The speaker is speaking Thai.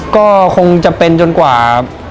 ก็คงจะเป็นจนกว่า